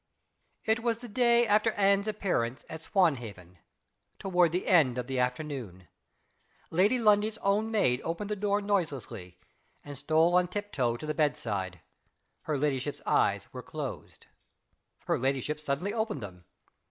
It was the day after Anne's appearance at Swanhaven toward the end of the afternoon. Lady Lundie's own maid opened the door noiselessly, and stole on tip toe to the bedside. Her ladyship's eyes were closed. Her ladyship suddenly opened them.